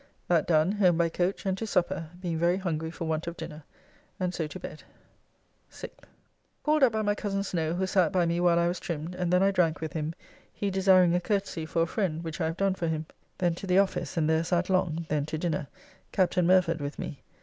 That done home by coach and to supper, being very hungry for want of dinner, and so to bed. 6th. Called up by my Cozen Snow, who sat by me while I was trimmed, and then I drank with him, he desiring a courtesy for a friend, which I have done for him. Then to the office, and there sat long, then to dinner, Captain Murford with me.